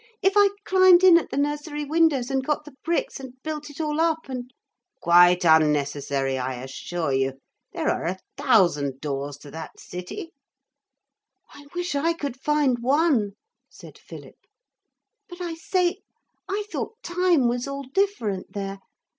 If I climbed in at the nursery windows and got the bricks and built it all up and ' 'Quite unnecessary, I assure you. There are a thousand doors to that city.' 'I wish I could find one,' said Philip; 'but, I say, I thought time was all different there.